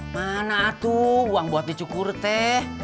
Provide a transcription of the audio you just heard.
mana tuh uang buat dicukur teh